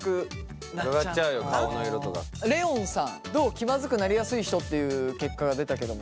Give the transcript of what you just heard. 気まずくなりやすい人っていう結果が出たけども。